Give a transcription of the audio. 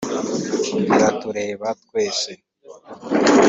iratureba twese